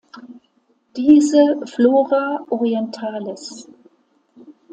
Diese "Flora orientalis.